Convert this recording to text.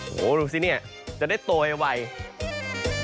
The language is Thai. โอ้โฮดูสินี่จะได้โตใหญ่วัย